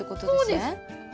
そうです。